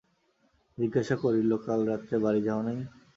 জিজ্ঞাসা করিল, কাল রাত্রে বাড়ি যাও নাই?